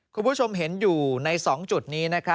คุณผู้ชมเห็นอยู่ใน๒จุดนี้